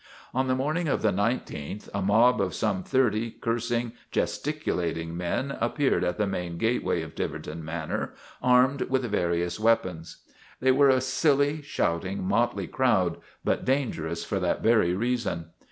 On the morning of the igth a mob of some thirty cursing, gesticulating men appeared at the main gateway of Tiverton Manor, armed with various weapons. They were a silly, shouting, motley crowd, but dangerous for that very reason.